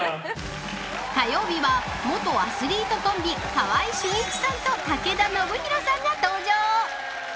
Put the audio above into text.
火曜日は元アスリートコンビ川合俊一さんと武田修宏さんが登場。